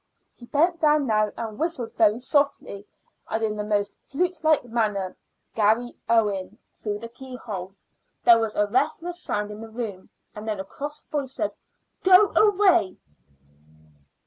He bent down now and whistled very softly, and in the most flute like manner, "Garry Owen" through the keyhole. There was a restless sound in the room, and then a cross voice said: "Go away."